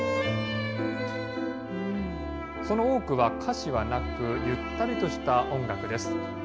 その多くは歌詞はなく、ゆったりとした音楽です。